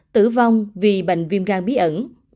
tử vong vì bệnh viêm gan bí ẩn